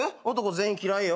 全員嫌いよ。